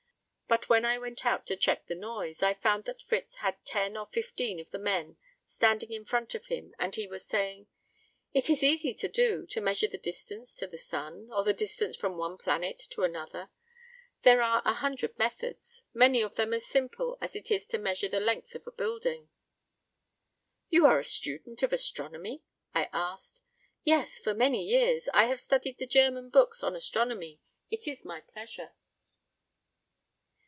But when I went out to check the noise, I found that Fritz had ten or fifteen of the men standing in front of him and he was saying: "It is easy to do to measure the distance to the Sun, or the distance from one planet to another. There are a hundred methods, many of them as simple as it is to measure the length of a building." "You are a student of astronomy?" I asked. "Yes, for many years, I have studied the German books on astronomy. It is my pleasure."